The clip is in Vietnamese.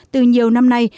từ nhiều năm nay